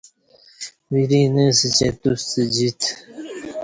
وری اینہ اسہ چہ توستہ جیت